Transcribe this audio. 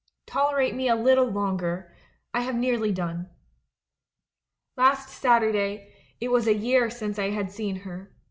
"Tolerate me a little longer — I have nearly done! "Last Saturday, it was a year since I had seen her.